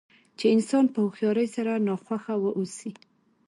چې انسان په هوښیارۍ سره ناخوښه واوسي.